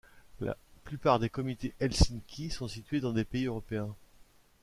La plupart des comités Helsinki sont situés dans des pays européens.